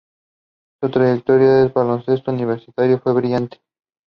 The third and final round was the finals.